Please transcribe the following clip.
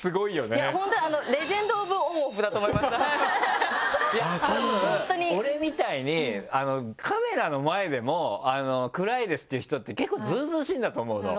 たぶん俺みたいにカメラの前でも「暗いです」って言う人って結構ずうずうしいんだと思うの。